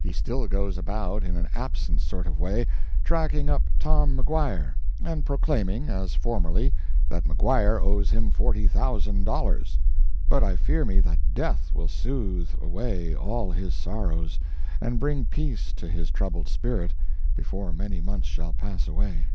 He still goes about in an absent sort of way, tracking up Tom Maguire, and proclaiming, as formerly, that Maguire owes him forty thousand dollars; but I fear me that death will soothe away all his sorrows and bring peace to his troubled spirit before many months shall pass away.